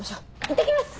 いってきます！